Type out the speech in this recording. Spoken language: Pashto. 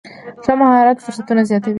ښه مهارت فرصتونه زیاتوي.